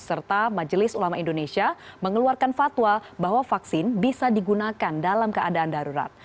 serta majelis ulama indonesia mengeluarkan fatwa bahwa vaksin bisa digunakan dalam keadaan darurat